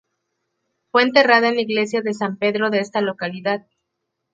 Fue enterrada en la iglesia de San Pedro de esta localidad.